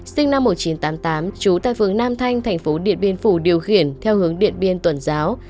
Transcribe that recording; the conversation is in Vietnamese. sinh năm một nghìn chín trăm tám mươi tám trú tại phường nam thanh thành phố điện biên phủ điều khiển theo hướng điện biên tuần giáo